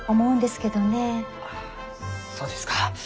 あそうですか。